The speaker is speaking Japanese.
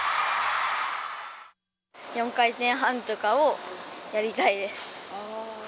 ４回転半とかをやりたいです。